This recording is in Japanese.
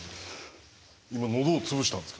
今喉を潰したんですか？